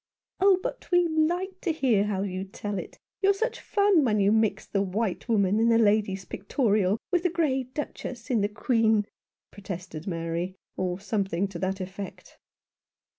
"Oh, but we like to hear how you tell it. You're such fun when you mix the white woman in the Lady's Pictorial with the grey Duchess in the Queen," protested Mary, or something to that effect.